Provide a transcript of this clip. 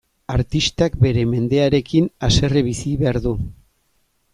Artistak bere mendearekin haserre bizi behar du.